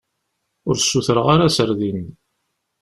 Ur sutreɣ ara serdin.